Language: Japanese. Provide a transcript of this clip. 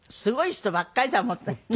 すごい人ばっかりだもんね。